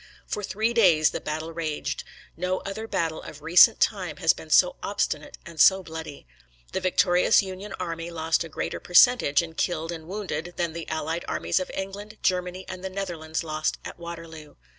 For three days the battle raged. No other battle of recent time has been so obstinate and so bloody. The victorious Union army lost a greater percentage in killed and wounded than the allied armies of England, Germany, and the Netherlands lost at Waterloo.